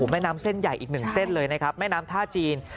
แม่น้ำเส้นใหญ่อีกหนึ่งเส้นเลยนะครับแม่น้ำท่าจีน